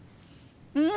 うん！